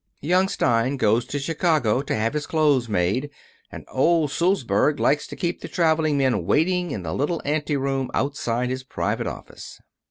Young Stein goes to Chicago to have his clothes made, and old Sulzberg likes to keep the traveling men waiting in the little ante room outside his private office.